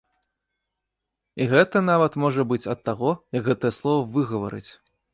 І гэта нават можа быць ад таго, як гэтае слова выгаварыць.